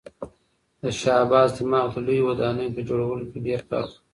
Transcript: د شاه عباس دماغ د لویو ودانیو په جوړولو کې ډېر کار کاوه.